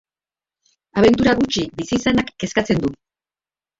Abentura gutxi bizi izanak kezkatzen du.